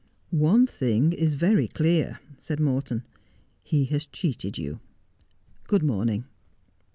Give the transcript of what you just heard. ' One thing is very clear,' said Morton. ' He has cheated you. Good morning.'